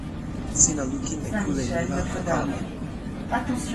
sina lukin e kule ni la o kalama.